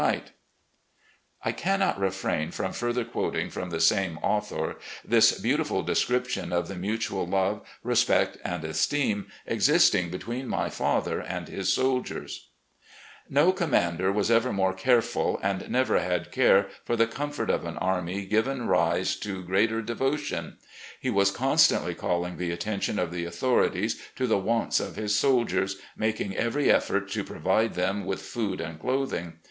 138 RECOLLECTIONS OP GENERAL LEE I cannot refrain from further quoting from the same author this beautiful description of the mutual love, respect, and esteem existing between my father and his soldiers : "No commander was ever more careful, and never had care for the comfort of an army given rise to greater devotion. He was constantly calling the attention of the authorities to the wants of his soldiers, making every effort to provide them with food and clothing.